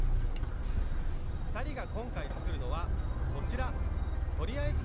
２人が今回作るのはこちら。